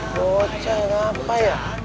bocah ngapain ya